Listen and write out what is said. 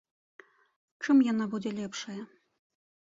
Чым яна будзе лепшая?